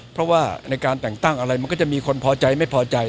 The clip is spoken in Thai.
เพราะว่าในการแต่งตั้งอะไรมันก็จะมีคนพอใจไม่พอใจ